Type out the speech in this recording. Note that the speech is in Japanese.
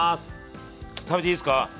食べていいですか？